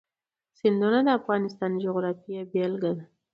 سیندونه د افغانستان د جغرافیې بېلګه ده.